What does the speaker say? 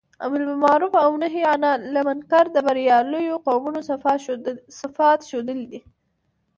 امر باالمعروف او نهي عنالمنکر د برياليو قومونو صفات ښودلي دي.